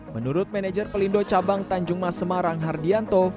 menurut manajer pelindo cabang tanjung mas semarang hardianto